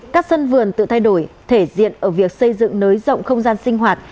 các sân vườn tự thay đổi thể diện ở việc xây dựng nới rộng không gian sinh hoạt